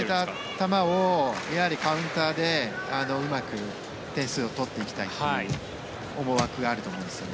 球をやはりカウンターでうまく点数を取っていきたいという思惑があると思いますね。